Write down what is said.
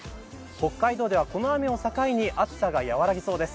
北海道ではこの雨を境に暑さが和らぎそうです。